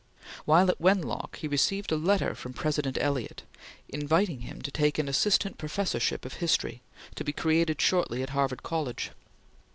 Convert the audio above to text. While at Wenlock, he received a letter from President Eliot inviting him to take an Assistant Professorship of History, to be created shortly at Harvard College.